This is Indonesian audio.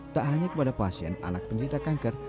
tak hanya kepada pasien anak penderita kanker